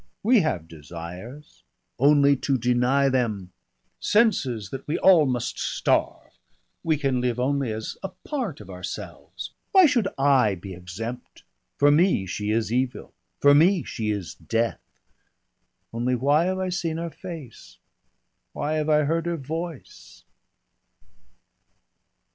We have desires, only to deny them, senses that we all must starve. We can live only as a part of ourselves. Why should I be exempt. For me, she is evil. For me she is death.... Only why have I seen her face? Why have I heard her voice?..."